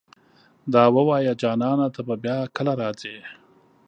دا اووايه جانانه ته به بيا کله راځې